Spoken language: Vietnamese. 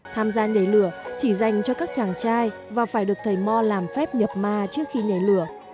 tham gia nhảy lửa chỉ dành cho các chàng trai và phải được thầy mo làm phép nhập ma trước khi nhảy lửa